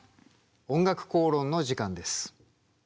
「おんがくこうろん」の時間です。